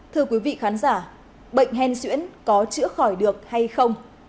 thưa quý vị khán giả bệnh hen xuyễn có chữa khỏi được hay không